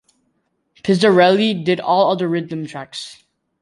Pizzarelli did all other rhythm tracks.